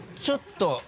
ちょっと。